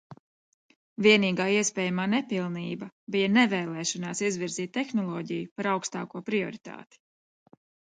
Vienīgā iespējamā nepilnība bija nevēlēšanās izvirzīt tehnoloģiju par augstāko prioritāti.